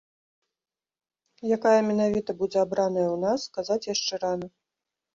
Якая менавіта будзе абраная ў нас, казаць яшчэ рана.